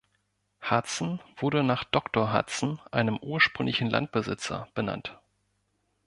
Hudson wurde nach Doctor Hudson, einem ursprünglichen Landbesitzer, benannt.